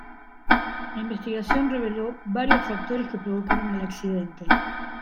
La investigación reveló varios factores que provocaron el accidente.